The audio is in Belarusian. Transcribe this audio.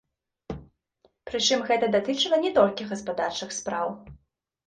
Прычым гэта датычыла не толькі гаспадарчых спраў.